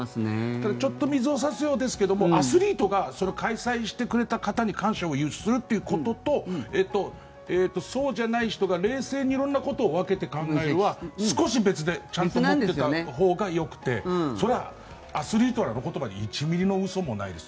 ただ、ちょっと水を差すようですけどアスリートが開催してくれた方に感謝をするっていうこととそうじゃない人が冷静に色々なことを分けて考えるのは少し別でちゃんと考えたほうがよくてそれはアスリートは、あの言葉に１ミリの嘘もないです。